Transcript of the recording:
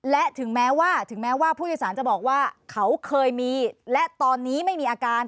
และถึงแม้ว่าถึงแม้ว่าผู้โดยสารจะบอกว่าเขาเคยมีและตอนนี้ไม่มีอาการ